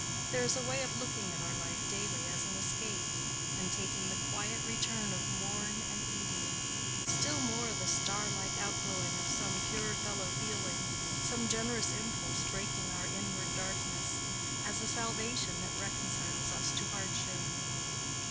There is a way of looking at our life daily as an escape, and taking the quiet return of morn and evening—still more the star like out glowing of some pure fellow feeling, some generous impulse breaking our inward darkness—as a salvation that reconciles us to hardship.